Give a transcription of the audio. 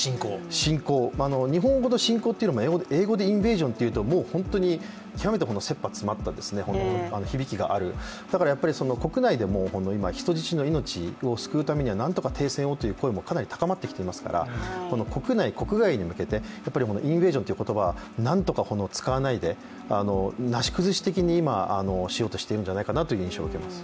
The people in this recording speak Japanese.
侵攻、日本語の侵攻というより英語でインベージョンっていうと極めてせっぱ詰まった響きがある、だから国内でも今人質の命を救うためには何とか停戦をという声もかなり高まっていますから国内・国外に向けてインベージョンという言葉をなんとかこの使わないでなし崩し的に今、しようとしているのかなという印象を受けます。